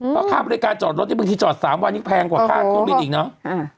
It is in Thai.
เพราะค่าบริการจอดรถนี่บางทีจอด๓วันนี้แพงกว่าค่าเครื่องบินอีกเนาะ